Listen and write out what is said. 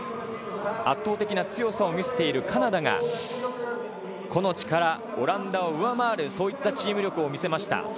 圧倒的な強さを見せているカナダが個の力、オランダを上回るそういったチーム力を見せました。